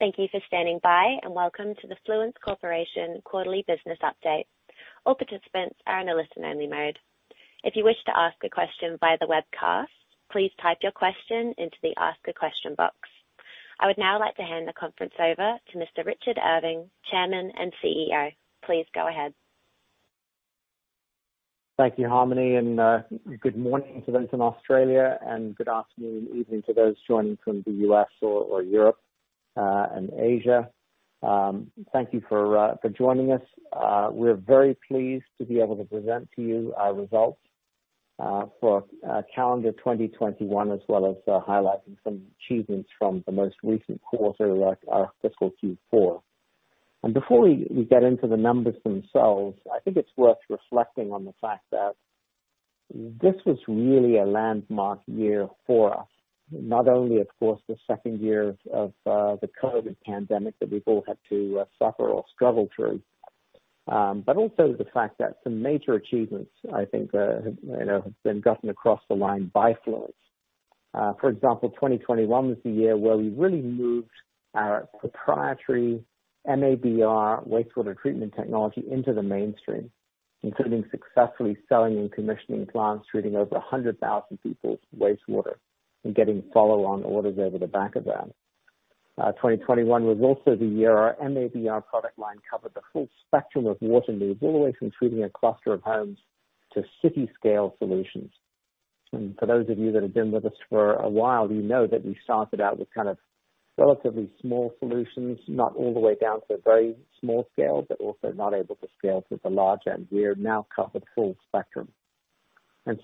Thank you for standing by, and welcome to the Fluence Corporation Quarterly Business Update. All participants are in a listen only mode. If you wish to ask a question via the webcast, please type your question into the ask a question box. I would now like to hand the conference over to Mr. Richard Irving, Chairman and CEO. Please go ahead. Thank you, Harmony, and good morning to those in Australia, and good afternoon/evening to those joining from the US, or Europe, and Asia. Thank you for joining us. We're very pleased to be able to present to you our results for calendar 2021, as well as highlighting some achievements from the most recent quarter, like our fiscal Q4. Before we get into the numbers themselves, I think it's worth reflecting on the fact that this was really a landmark year for us. Not only, of course, the second year of the COVID pandemic that we've all had to suffer or struggle through, but also the fact that some major achievements, I think, you know, have been gotten across the line by Fluence. For example, 2021 was the year where we really moved our proprietary MABR wastewater treatment technology into the mainstream, including successfully selling and commissioning plants treating over 100,000 people's wastewater and getting follow-on orders over the back of that. 2021 was also the year our MABR product line covered the full spectrum of water needs, all the way from treating a cluster of homes to city-scale solutions. For those of you that have been with us for a while, you know that we started out with kind of relatively small solutions, not all the way down to a very small scale, but also not able to scale to the large end. We now cover the full spectrum.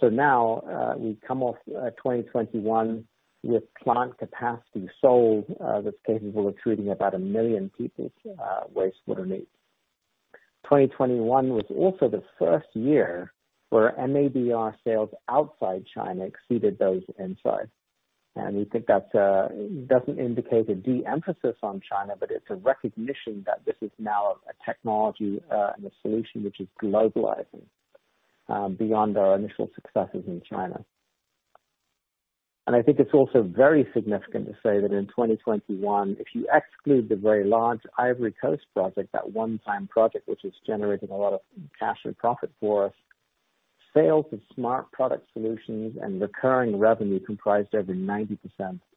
Now, we come off 2021 with plant capacity sold that's capable of treating about 1 million people's wastewater needs. 2021 was also the first year where MABR sales outside China exceeded those inside. We think that doesn't indicate a de-emphasis on China, but it's a recognition that this is now a technology and a solution which is globalizing beyond our initial successes in China. I think it's also very significant to say that in 2021, if you exclude the very large Ivory Coast project, that one-time project which has generated a lot of cash and profit for us, sales of Smart Product Solutions and recurring revenue comprised over 90%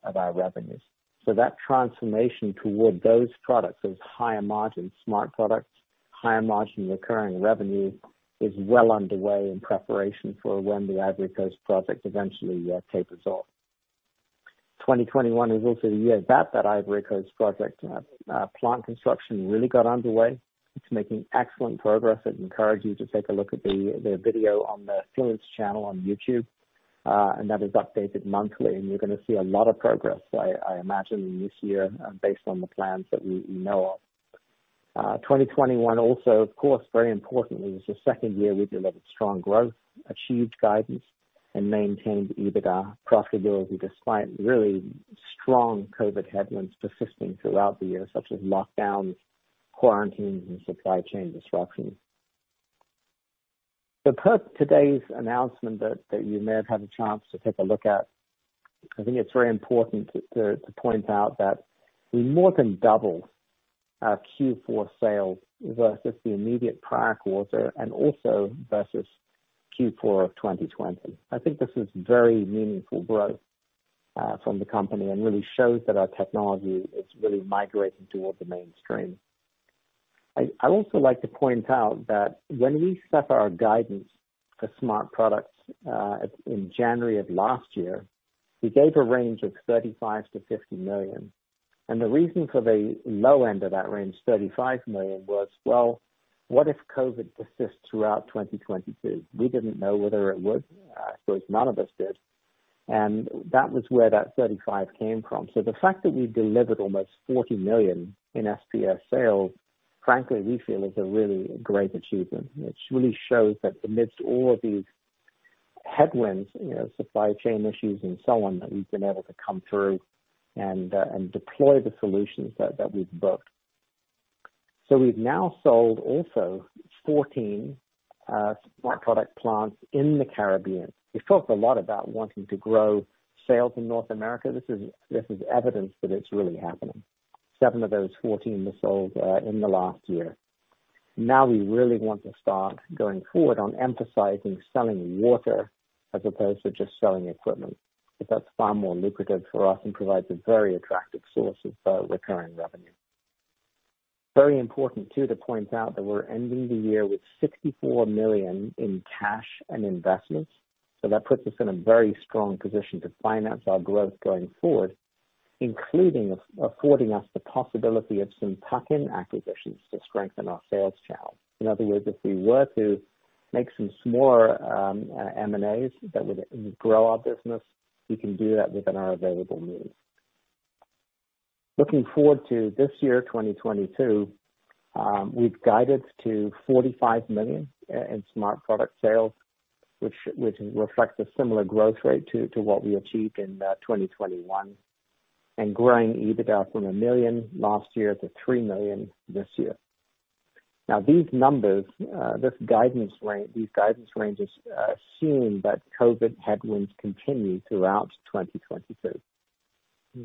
of our revenues. That transformation toward those products, those higher margin smart products, higher margin recurring revenue, is well underway in preparation for when the Ivory Coast project eventually tapers off. 2021 is also the year that Ivory Coast project plant construction really got underway. It's making excellent progress. I'd encourage you to take a look at the video on the Fluence channel on YouTube, and that is updated monthly, and you're gonna see a lot of progress, I imagine, this year based on the plans that we know of. 2021 also of course, very importantly, was the second year we delivered strong growth, achieved guidance and maintained EBITDA profitability despite really strong COVID headwinds persisting throughout the year, such as lockdowns, quarantines, and supply chain disruptions. Per today's announcement that you may have had a chance to take a look at, I think it's very important to point out that we more than doubled our Q4 sales versus the immediate prior quarter and also versus Q4 of 2020. I think this is very meaningful growth from the company and really shows that our technology is really migrating towards the mainstream. I'd also like to point out that when we set our guidance for Smart Products in January of last year, we gave a range of $35 million-$50 million. The reason for the low end of that range, $35 million, was, well, what if COVID persists throughout 2022? We didn't know whether it would. Of course none of us did. That was where that 35 came from. The fact that we delivered almost $40 million in SPS sales, frankly, we feel is a really great achievement, which really shows that amidst all of these headwinds, you know, supply chain issues and so on, that we've been able to come through and deploy the solutions that we've booked. We've now sold also 14 smart product plants in the Caribbean. We've talked a lot about wanting to grow sales in North America. This is evidence that it's really happening. Seven of those 14 were sold in the last year. Now we really want to start going forward on emphasizing selling water as opposed to just selling equipment. Because that's far more lucrative for us and provides a very attractive source of recurring revenue. Very important too, to point out that we're ending the year with $64 million in cash and investments. That puts us in a very strong position to finance our growth going forward, including affording us the possibility of some tuck-in acquisitions to strengthen our sales channel. In other words, if we were to make some smaller, M&As that would grow our business, we can do that within our available means. Looking forward to this year, 2022, we've guided to $45 million in smart product sales, which reflects a similar growth rate to what we achieved in 2021. Growing EBITDA from $1 million last year to $3 million this year. Now these numbers, this guidance range, these guidance ranges assume that COVID headwinds continue throughout 2022.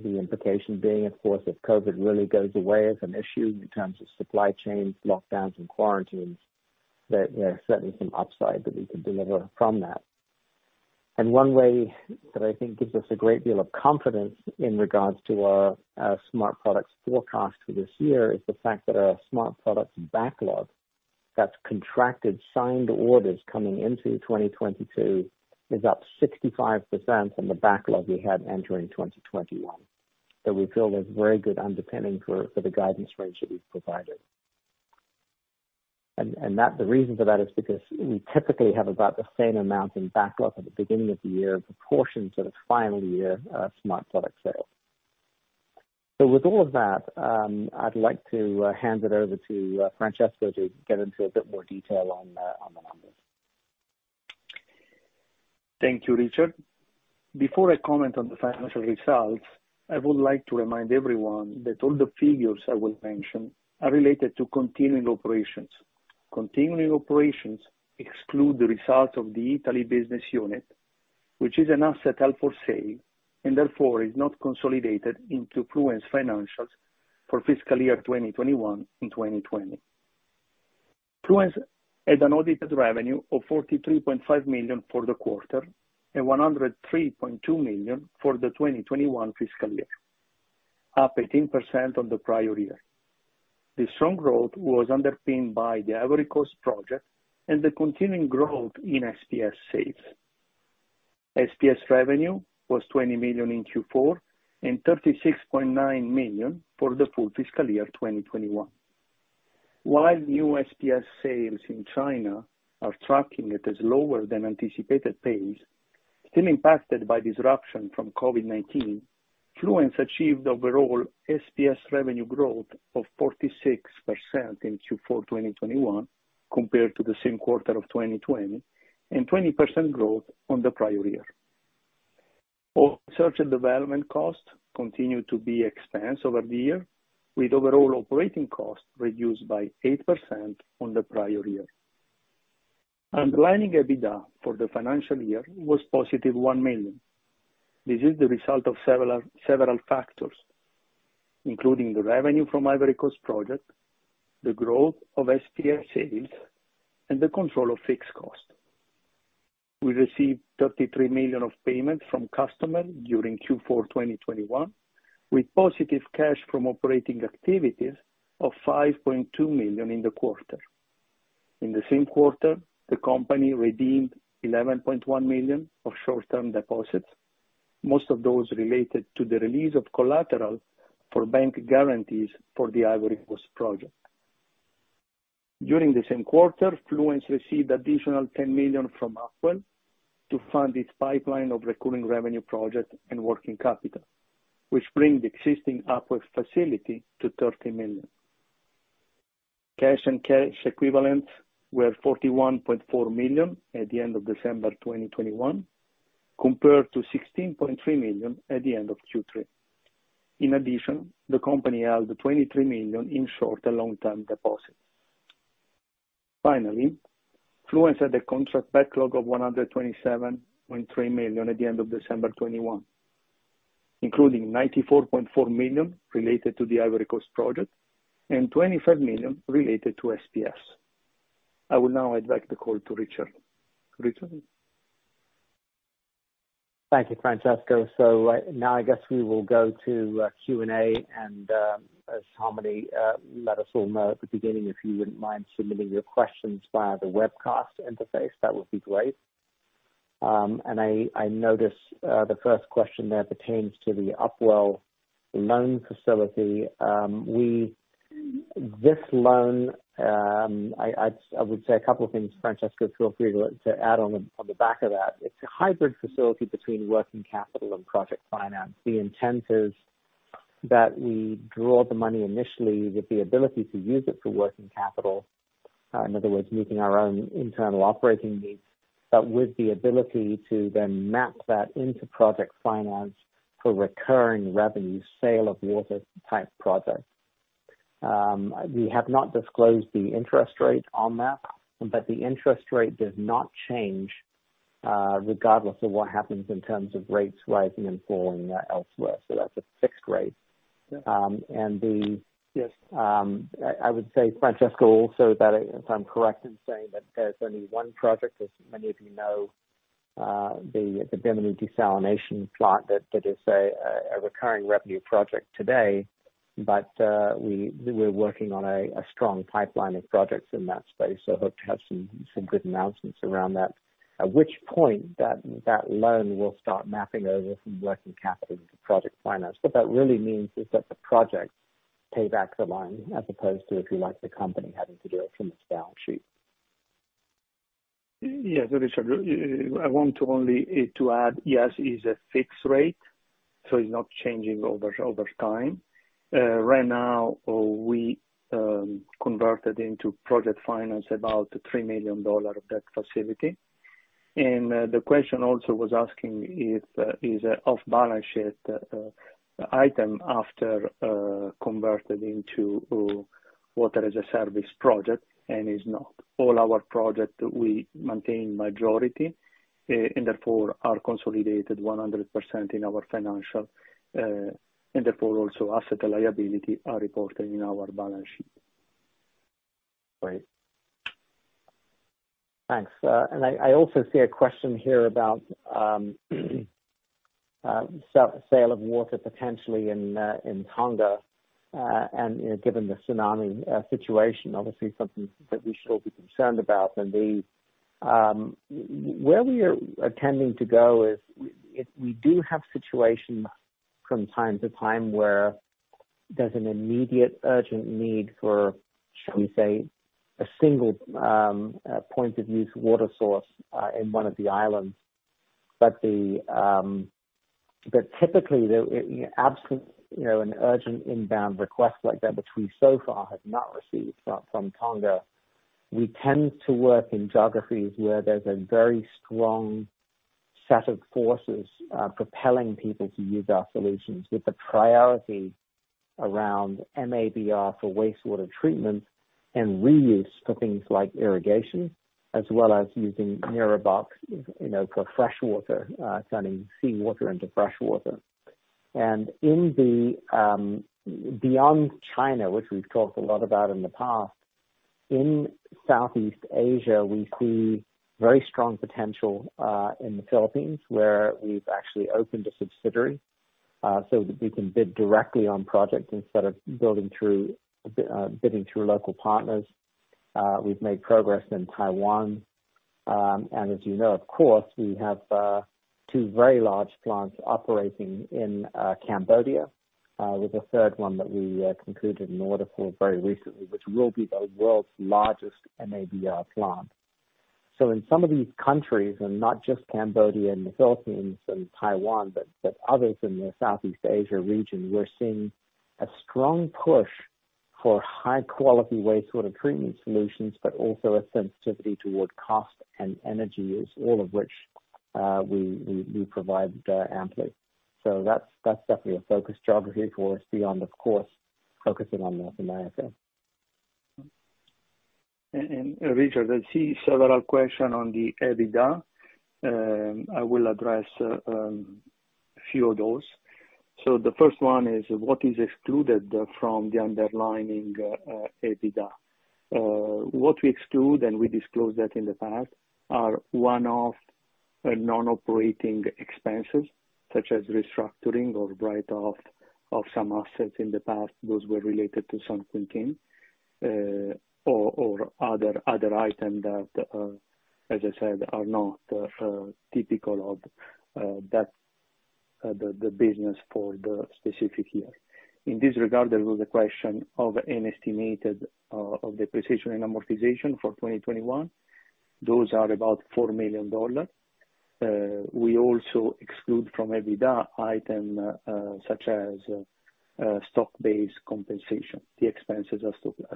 The implication being of course, if COVID really goes away as an issue in terms of supply chains, lockdowns and quarantines, that there are certainly some upside that we could deliver from that. One way that I think gives us a great deal of confidence in regards to our smart products forecast for this year is the fact that our smart products backlog that's contracted signed orders coming into 2022 is up 65% from the backlog we had entering 2021. We feel there's very good underpinning for the guidance range that we've provided. That the reason for that is because we typically have about the same amount in backlog at the beginning of the year in proportion to the final year, smart product sale. With all of that, I'd like to hand it over to Francesco to get into a bit more detail on the numbers. Thank you, Richard. Before I comment on the financial results, I would like to remind everyone that all the figures I will mention are related to continuing operations. Continuing operations exclude the results of the Italy business unit, which is an asset held for sale, and therefore is not consolidated into Fluence financials for fiscal year 2021 and 2020. Fluence had an audited revenue of $43.5 million for the quarter and $103.2 million for the 2021 fiscal year, up 18% on the prior year. The strong growth was underpinned by the Ivory Coast project and the continuing growth in SPS sales. SPS revenue was $20 million in Q4, and $36.9 million for the full fiscal year 2021. While new SPS sales in China are tracking at a slower than anticipated pace, still impacted by disruption from COVID-19, Fluence achieved overall SPS revenue growth of 46% in Q4 2021, compared to the same quarter of 2020, and 20% growth on the prior year. All research and development costs continue to be expensed over the year, with overall operating costs reduced by 8% on the prior year. Underlying EBITDA for the financial year was positive $1 million. This is the result of several factors, including the revenue from Ivory Coast project, the growth of SPS sales, and the control of fixed cost. We received $33 million of payments from customers during Q4 2021, with positive cash from operating activities of $5.2 million in the quarter. In the same quarter, the company redeemed $11.1 million of short-term deposits. Most of those related to the release of collateral for bank guarantees for the Ivory Coast project. During the same quarter, Fluence received additional $10 million from Upwell to fund its pipeline of recurring revenue projects and working capital, which bring the existing Upwell facility to $30 million. Cash and cash equivalents were $41.4 million at the end of December 2021, compared to $16.3 million at the end of Q3. In addition, the company held $23 million in short and long-term deposits. Finally, Fluence had a contract backlog of $127.3 million at the end of December 2021, including $94.4 million related to the Ivory Coast project and $25 million related to SPS. I will now hand back the call to Richard. Richard? Thank you, Francesco. Now I guess we will go to Q&A and, as Harmony let us all know at the beginning, if you wouldn't mind submitting your questions via the webcast interface, that would be great. I notice the first question there pertains to the Upwell loan facility. This loan, I would say a couple of things. Francesco, feel free to add on the back of that. It's a hybrid facility between working capital and project finance. The intent is that we draw the money initially with the ability to use it for working capital. In other words, meeting our own internal operating needs, but with the ability to then map that into project finance for recurring revenue, sale of water type projects. We have not disclosed the interest rate on that, but the interest rate does not change regardless of what happens in terms of rates rising and falling elsewhere. So that's a fixed rate. Yes, I would say Francesco also that, if I'm correct in saying that there's only one project, as many of you know, the Bermuda desalination plant that is a recurring revenue project today. We're working on a strong pipeline of projects in that space, so hope to have some good announcements around that, at which point that loan will start mapping over from working capital to project finance. What that really means is that the projects pay back the loan as opposed to, if you like, the company having to do it from its balance sheet. Yes, Richard. I want only to add, yes, it is a fixed rate, so it's not changing over time. Right now, we converted into project finance about $3 million of that facility. The question also was asking if it's a off-balance sheet item after converted into water-as-a-service project and it's not. All our project we maintain majority and therefore are consolidated 100% in our financial and therefore also asset liability are reported in our balance sheet. Great. Thanks. I also see a question here about sale of water potentially in Tonga, and you know, given the tsunami situation, obviously something that we should all be concerned about. The way we are intending to go is if we do have situations from time to time where there's an immediate urgent need for, shall we say, a single point of use water source in one of the islands. Typically the, absent, you know, an urgent inbound request like that, which we so far have not received from Tonga, we tend to work in geographies where there's a very strong set of forces propelling people to use our solutions, with the priority around MABR for wastewater treatment and reuse for things like irrigation, as well as using NIROBOX, you know, for freshwater, turning seawater into freshwater. Beyond China, which we've talked a lot about in the past, in Southeast Asia, we see very strong potential in the Philippines, where we've actually opened a subsidiary, so that we can bid directly on projects instead of bidding through local partners. We've made progress in Taiwan. As you know, of course, we have two very large plants operating in Cambodia with a third one that we concluded an order for very recently, which will be the world's largest MABR plant. In some of these countries, and not just Cambodia and the Philippines and Taiwan, but others in the Southeast Asia region, we're seeing a strong push for high-quality wastewater treatment solutions, but also a sensitivity toward cost and energy use, all of which we provide amply. That's definitely a focus geography for us beyond, of course, focusing on North America. Richard, I see several questions on the EBITDA. I will address a few of those. The first one is what is excluded from the underlying EBITDA? What we exclude, and we disclosed that in the past, are one-off non-operating expenses such as restructuring or write off of some assets. In the past, those were related to San Quintin or other items that, as I said, are not typical of the business for the specific year. In this regard, there was a question of an estimated depreciation and amortization for 2021. Those are about $4 million. We also exclude from EBITDA items such as stock-based compensation, the expenses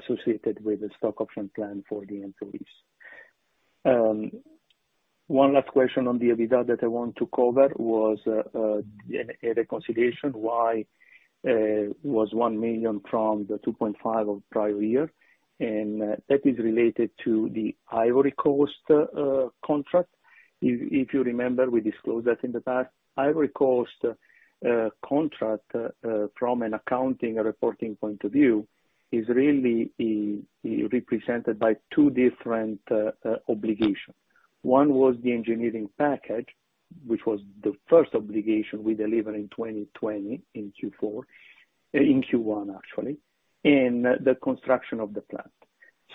associated with the stock option plan for the employees. One last question on the EBITDA that I want to cover was a reconciliation, why was $1 million from the 2.5 of prior year? That is related to the Ivory Coast contract. If you remember, we disclosed that in the past. Ivory Coast contract from an accounting reporting point of view is really represented by two different obligation. One was the engineering package, which was the first obligation we deliver in 2020, in Q1, actually, and the construction of the plant.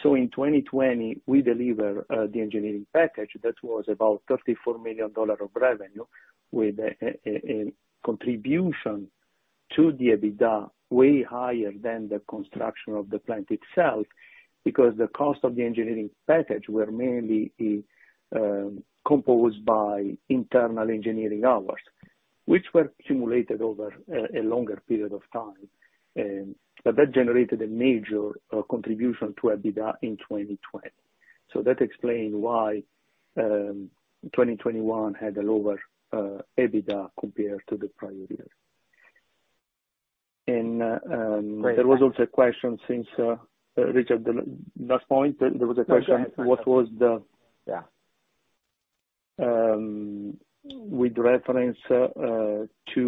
In 2020, we deliver the engineering package that was about $34 million of revenue, with a contribution to the EBITDA way higher than the construction of the plant itself, because the cost of the engineering package were mainly composed by internal engineering hours, which were amortized over a longer period of time. But that generated a major contribution to EBITDA in 2020. That explain why 2021 had a lower EBITDA compared to the prior years. Great. There was also a question since the last point, Richard. No, go ahead. What was the- Yeah. With reference to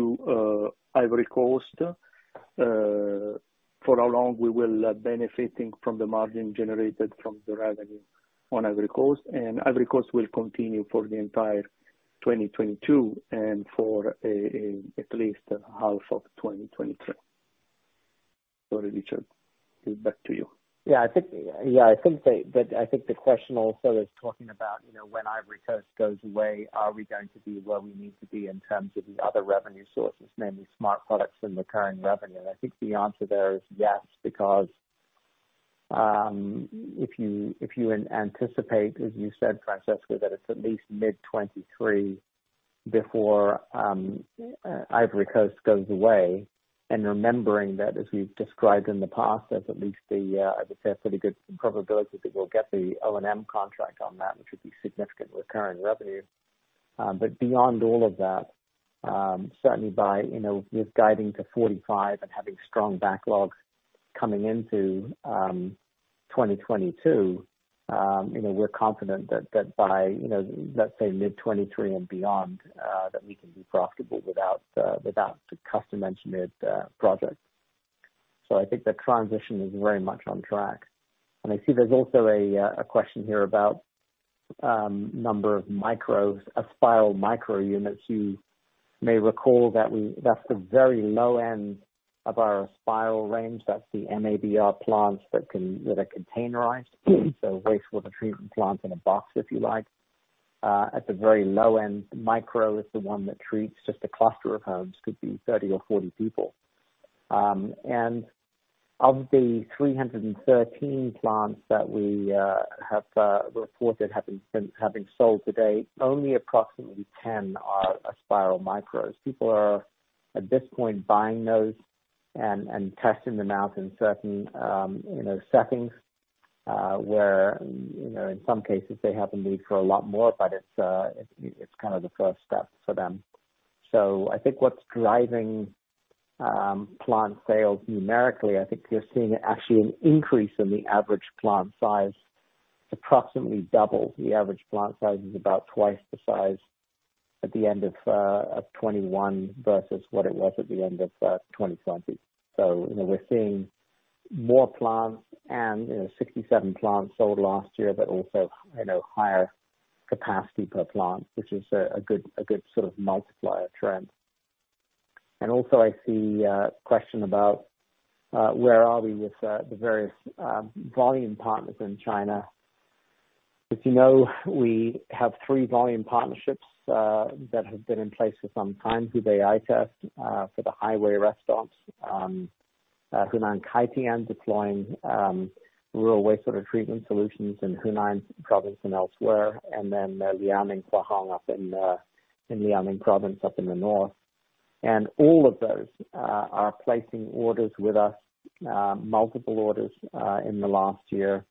Ivory Coast, for how long we will benefiting from the margin generated from the revenue on Ivory Coast. Ivory Coast will continue for the entire 2022 and for at least half of 2023. Sorry, Richard. Back to you. Yeah, I think the question also is talking about, you know, when Ivory Coast goes away, are we going to be where we need to be in terms of the other revenue sources, namely smart products and recurring revenue? I think the answer there is yes, because if you anticipate, as you said, Francesco, that it's at least mid-2023 before Ivory Coast goes away, and remembering that as we've described in the past, there's at least a, I would say, a pretty good probability that we'll get the O&M contract on that, which would be significant recurring revenue. Beyond all of that, certainly by, you know, with guiding to $45 and having strong backlogs coming into 2022, you know, we're confident that by, you know, let's say mid-2023 and beyond, that we can be profitable without the custom-engineered projects. I think the transition is very much on track. I see there's also a question here about number of micros, Aspiral Micro units. You may recall that that's the very low end of our Aspiral range. That's the MABR plants that are containerized. Wastewater treatment plant in a box, if you like. At the very low end, micro is the one that treats just a cluster of homes, could be 30 or 40 people. Of the 313 plants that we have reported have been sold to date, only approximately 10 are Aspiral Micros. People are, at this point, buying those and testing them out in certain, you know, settings, where, you know, in some cases they have a need for a lot more, but it's kind of the first step for them. I think what's driving plant sales numerically, I think we're seeing actually an increase in the average plant size, approximately double. The average plant size is about twice the size at the end of 2021 versus what it was at the end of 2020. You know, we're seeing more plants and, you know, 67 plants sold last year, but also, you know, higher capacity per plant, which is a good sort of multiplier trend. I see a question about where we are with the various volume partners in China. As you know, we have three volume partnerships that have been in place for some time. Hubei ITEST for the highway restaurants, Hunan Kaitian deploying rural wastewater treatment solutions in Hunan province and elsewhere, and then Liaoning Huahong up in Liaoning province up in the north. All of those are placing orders with us, multiple orders in the last year.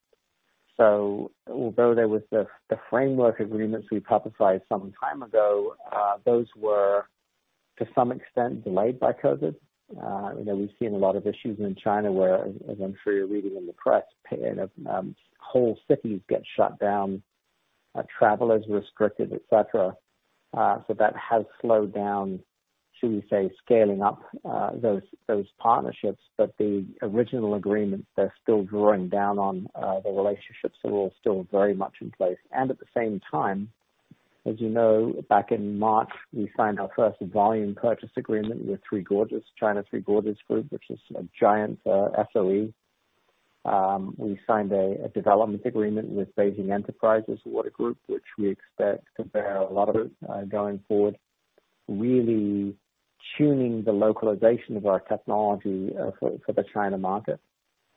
Although there was the framework agreements we finalized some time ago, those were to some extent delayed by COVID. You know, we've seen a lot of issues in China where, as I'm sure you're reading in the press, whole cities get shut down, travel is restricted, et cetera. That has slowed down, should we say, scaling up those partnerships. The original agreements, they're still drawing down on. The relationships are all still very much in place. At the same time, as you know, back in March, we signed our first volume purchase agreement with China Three Gorges Group, which is a giant SOE. We signed a development agreement with Beijing Enterprises Water Group, which we expect to bear a lot of fruit going forward, really tuning the localization of our technology for the China market.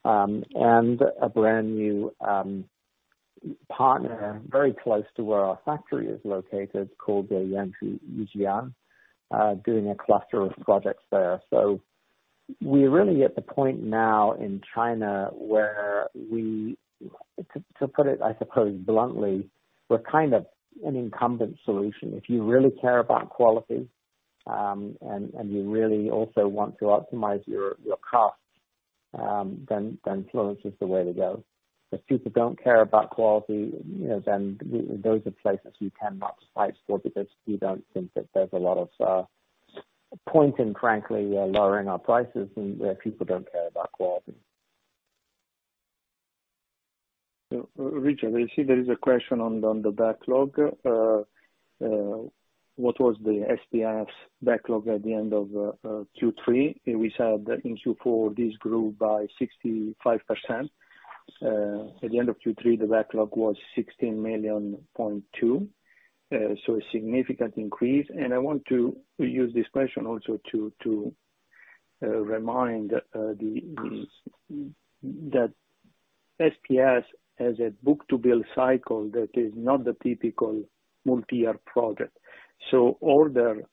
A brand new partner very close to where our factory is located, called the Yangzhou Yijian, doing a cluster of projects there. We're really at the point now in China where to put it, I suppose, bluntly, we're kind of an incumbent solution. If you really care about quality, and you really also want to optimize your costs, then Fluence is the way to go. If people don't care about quality, you know, then those are places we cannot fight for because we don't think that there's a lot of point in frankly lowering our prices where people don't care about quality. Richard, I see there is a question on the backlog. What was the SPS backlog at the end of Q3? We said that in Q4, this grew by 65%. At the end of Q3, the backlog was $16.2 million. A significant increase. I want to use this question also to remind that SPS has a book-to-bill cycle that is not the typical multi-year project. SPS orders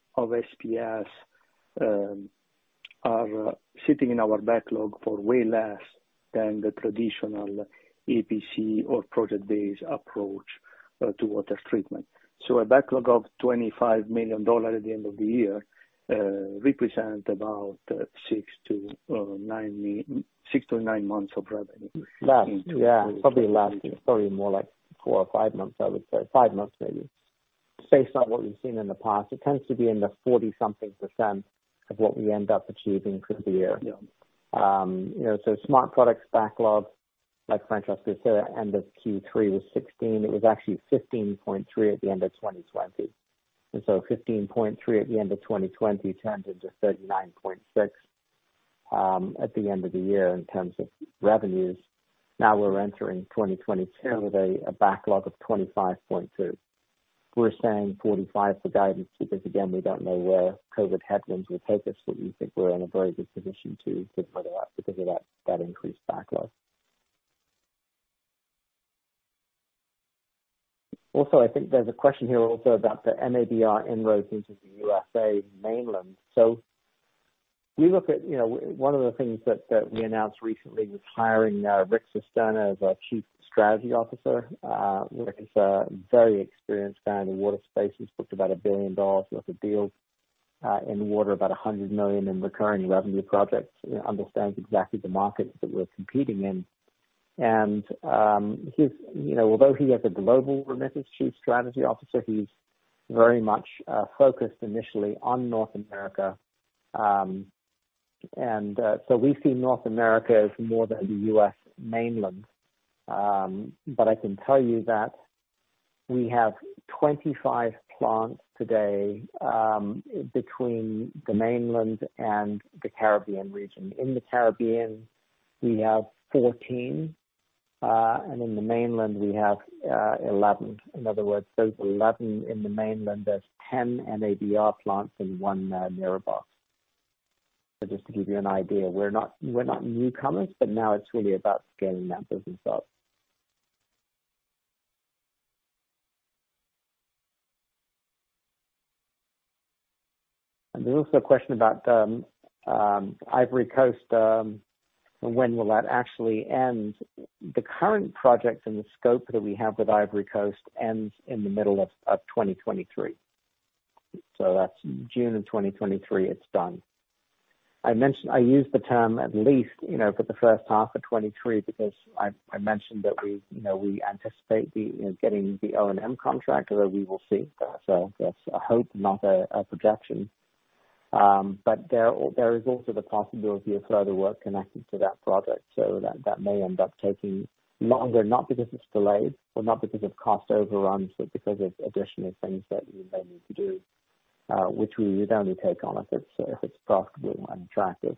are sitting in our backlog for way less than the traditional EPC or project-based approach to water treatment. A backlog of $25 million at the end of the year represents about six to nine months of revenue. Less, yeah. Probably less. Probably more like four or five months, I would say. Five months, maybe. Based on what we've seen in the past, it tends to be in the 40-something percent of what we end up achieving for the year. You know, so Smart Products backlog, like Francesco said, at end of Q3 was $16. It was actually $15.3 at the end of 2020. 15.3 at the end of 2020 turns into $39.6 at the end of the year in terms of revenues. Now we're entering 2022 with a backlog of $25.2. We're saying 45 for guidance because again, we don't know where COVID headwinds will take us, but we think we're in a very good position to weather that because of that increased backlog. Also, I think there's a question here also about the MABR inroads into the USA mainland. We look at, you know, one of the things that we announced recently was hiring Richard Cisterna as our Chief Strategy Officer. Rick is a very experienced guy in the water space. He's booked about $1 billion worth of deals in the water, about $100 million in recurring revenue projects. He understands exactly the markets that we're competing in. He's, you know, although he has a global remit as Chief Strategy Officer, he's very much focused initially on North America. We see North America as more than the U.S. mainland. I can tell you that we have 25 plants today, between the mainland and the Caribbean region. In the Caribbean, we have 14, and in the mainland we have 11. In other words, those 11 in the mainland, there's 10 MABR plants and one NIROBOX. Just to give you an idea, we're not newcomers, but now it's really about scaling that business up. There's also a question about Ivory Coast, when will that actually end? The current project and the scope that we have with Ivory Coast ends in the middle of 2023. That's June of 2023, it's done. I mentioned... I used the term at least, you know, for the first half of 2023 because I mentioned that we, you know, we anticipate the, you know, getting the O&M contract, although we will see. That's a hope, not a projection. But there is also the possibility of further work connected to that project. That may end up taking longer, not because it's delayed or not because of cost overruns, but because of additional things that we may need to do, which we would only take on if it's profitable and attractive.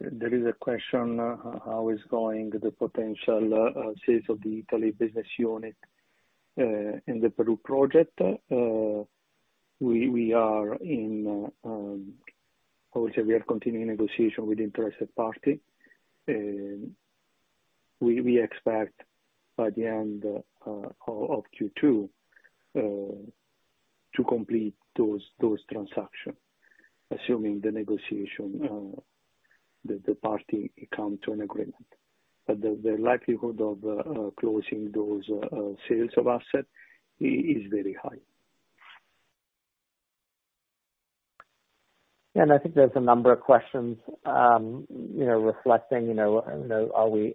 There is a question, how is going the potential sales of the Italy business unit in the Peru project? We are in. I would say we are continuing negotiation with interested party. We expect by the end of Q2 to complete those transaction, assuming the negotiation the party come to an agreement. The likelihood of closing those sales of asset is very high. I think there's a number of questions, you know, reflecting, you know, are we,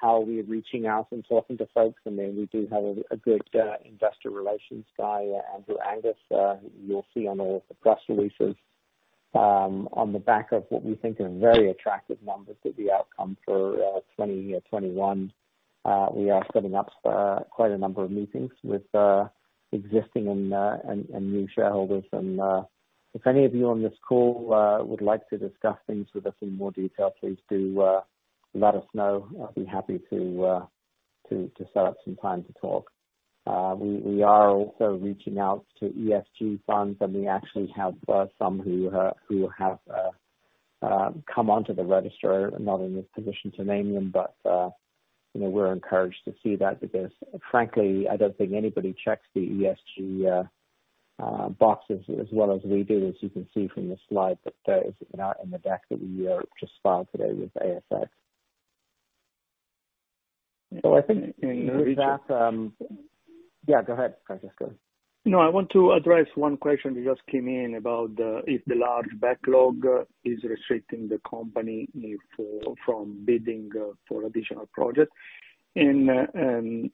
how are we reaching out and talking to folks. I mean, we do have a good investor relations guy, Andrew Angus, who you'll see on all of the press releases. On the back of what we think are very attractive numbers with the outcome for 2021, we are setting up quite a number of meetings with existing and new shareholders. If any of you on this call would like to discuss things with us in more detail, please do let us know. I'll be happy to set up some time to talk. We are also reaching out to ESG funds, and we actually have some who have come onto the register. I'm not in a position to name them, but you know, we're encouraged to see that because frankly, I don't think anybody checks the ESG boxes as well as we do, as you can see from the slide that goes out in the deck that we just filed today with ASX. I think with that. Yeah, go ahead, Francesco. No, I want to address one question that just came in about if the large backlog is restricting the company from bidding for additional projects. The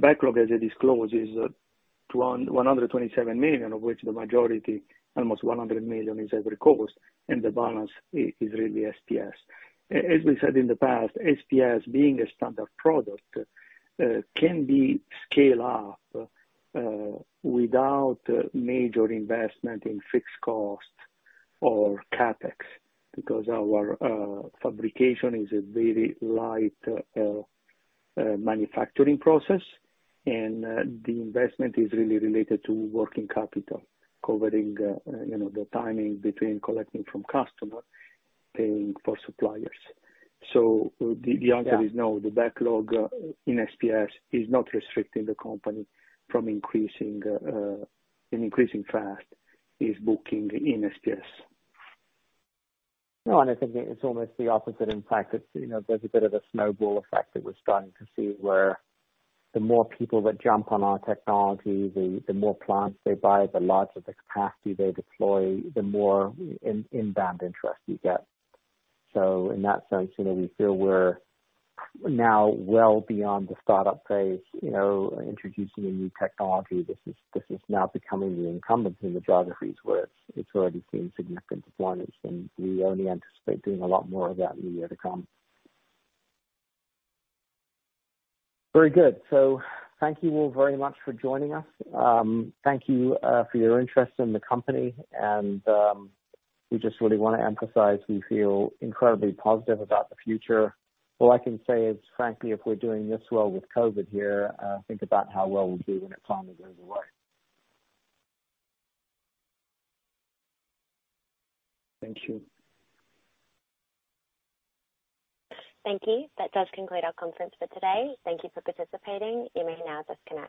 backlog, as I disclosed, is $127 million, of which the majority, almost $100 million, is Ivory Coast, and the balance is really SPS. As we said in the past, SPS being a standard product, can be scale up without major investment in fixed costs or CapEx, because our fabrication is a very light manufacturing process, and the investment is really related to working capital, covering you know the timing between collecting from customer, paying for suppliers. The answer- Yeah. It is no. The backlog in SPS is not restricting the company from increasing its bookings in SPS. No, and I think it's almost the opposite. In fact, it's, you know, there's a bit of a snowball effect that we're starting to see where the more people that jump on our technology, the more plants they buy, the larger the capacity they deploy, the more inbound interest you get. In that sense, you know, we feel we're now well beyond the startup phase, you know, introducing a new technology. This is now becoming the incumbent in the geographies where it's already seen significant deployment, and we only anticipate doing a lot more of that in the year to come. Very good. Thank you all very much for joining us. Thank you for your interest in the company and we just really wanna emphasize we feel incredibly positive about the future. All I can say is, frankly, if we're doing this well with COVID here, think about how well we'll do when it finally goes away. Thank you. Thank you. That does conclude our conference for today. Thank you for participating. You may now disconnect.